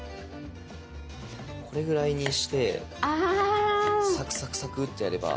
これぐらいにしてサクサクサクっとやれば。